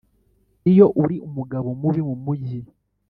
iyo uri umugabo mubi mumujyi